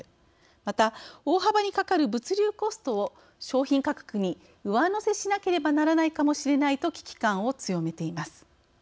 また大幅にかかる物流コストを商品価格に上乗せしなければならないかもしれないと危機感を強めています。